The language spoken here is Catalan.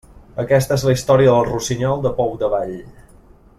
Aquesta és la història del rossinyol del Pou d'Avall.